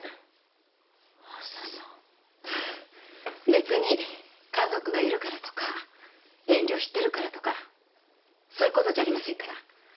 別に家族がいるからとか遠慮してるからとかそういうことじゃありませんから。